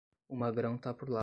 O magrão tá por lá